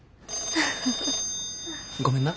☎ごめんな。